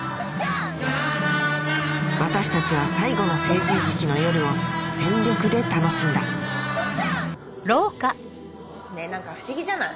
ＮａＮａ私たちは最後の成人式の夜を全力で楽しんだねぇ何か不思議じゃない？